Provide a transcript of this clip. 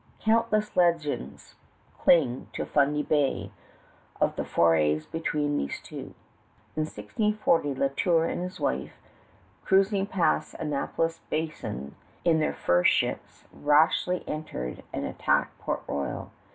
Countless legends cling to Fundy Bay of the forays between these two. In 1640 La Tour and his wife, cruising past Annapolis Basin in their fur ships, rashly entered and attacked Port Royal.